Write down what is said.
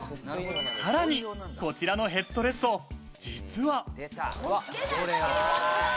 さらに、こちらのヘッドレスト、実は。